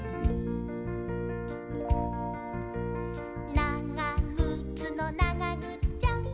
「ながぐつのながぐっちゃん！！」